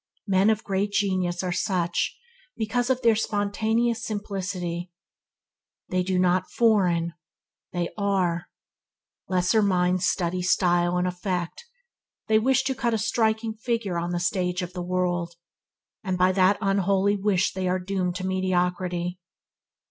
Men of great genius are such because of their spontaneous simplicity. They do not foreign; they are. Lesser minds study style and effect. They wish to cut a striking figure on the stage of the world, and by that unholy wish they are doomed to mediocrity.